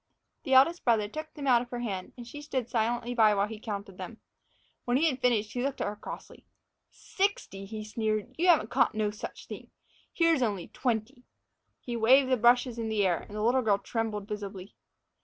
The eldest brother took them out of her hand, and she stood silently by while he counted them. When he had finished, he looked at her crossly. "Sixty!" he sneered. "You haven't caught no such thing! Here's only twenty." He waved the brushes in the air, and the little girl trembled visibly.